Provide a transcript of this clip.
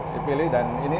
dipilih dan ini